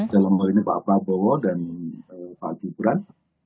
dalam hal ini pak prabowo dan pak gibran